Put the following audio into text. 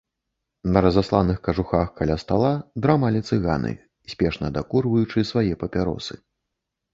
На разасланых кажухах каля стала драмалі цыганы, спешна дакурваючы свае папяросы.